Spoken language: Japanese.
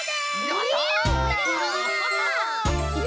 やった！